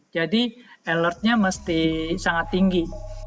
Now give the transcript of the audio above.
alertnya mesti sangat tinggi